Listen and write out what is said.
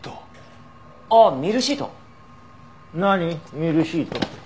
ミルシートって。